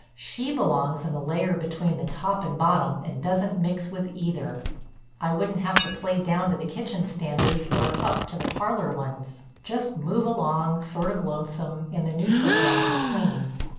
She belongs in the layer between the top and bottom and doesn't mix with either. I wouldn't have to play down to the kitchen standards or up to the parlor ones, just move along, sort of lonesome, in the neutral ground between.